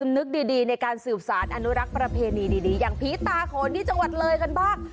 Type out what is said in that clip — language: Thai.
นึกดีในการสืบสารอนุรักษ์ประเพณีดีอย่างผีตาโขนที่จังหวัดเลยกันบ้าง